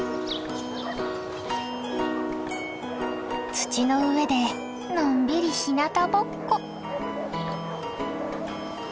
土の上でのんびりひなたぼっこ。